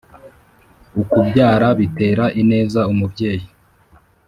ukubyara bitera ineza umubyeyi